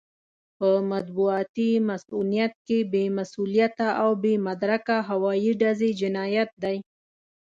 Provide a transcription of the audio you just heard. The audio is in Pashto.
په مطبوعاتي مصؤنيت کې بې مسووليته او بې مدرکه هوايي ډزې جنايت دی.